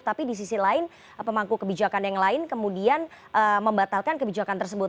tapi di sisi lain pemangku kebijakan yang lain kemudian membatalkan kebijakan tersebut